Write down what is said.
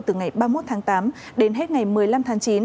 từ ngày ba mươi một tháng tám đến hết ngày một mươi năm tháng chín